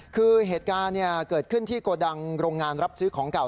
คือเหตุการณ์เกิดขึ้นที่โกดังโรงงานรับซื้อของเก่า